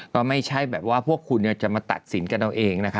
ก็ไม่ใช่แบบว่าพวกคุณจะมาตัดสินกันเอาเองนะคะ